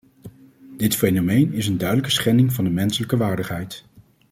Dit fenomeen is een duidelijke schending van de menselijke waardigheid.